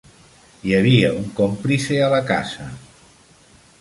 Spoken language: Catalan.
Hi havia un còmplice a la casa.